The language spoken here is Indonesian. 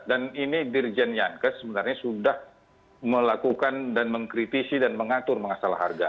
dan ini dirjen yankes sebenarnya sudah melakukan dan mengkritisi dan mengatur mengasal harga